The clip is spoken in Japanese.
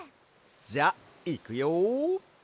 じゃあいくよ！